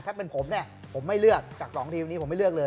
ถ้าเป็นผมเนี่ยผมไม่เลือกจาก๒ทีวีนี้